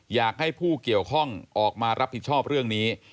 อยากให้ผู้เกี่ยวข้องออกมารับผิดชอบเรื่องนี้